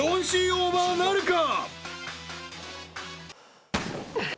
オーバーなるか？］